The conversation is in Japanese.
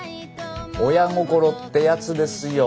親心ってやつですよ。